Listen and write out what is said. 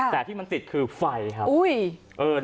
แต่ที่มันติดคือไฟครับ